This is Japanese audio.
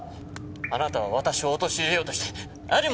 あなたは私を陥れようとしてありもしない事を！